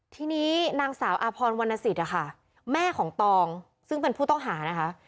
ทีนี้นางสาวอาพรวรรณสิทธินะคะแม่ของตองซึ่งเป็นผู้ต้องหานะคะ